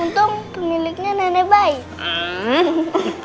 untung pemiliknya nenek baik